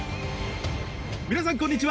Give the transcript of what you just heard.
皆さんこんにちは！